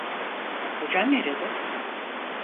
Kocan nerede?